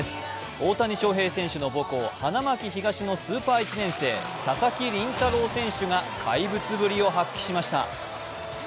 大谷翔平選手の母校・花巻東の佐々木麟太郎選手が怪物ぶりを発揮しました。